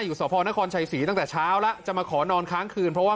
สพนครชัยศรีตั้งแต่เช้าแล้วจะมาขอนอนค้างคืนเพราะว่า